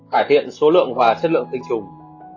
cải thiện số lượng và chất lượng tinh trùng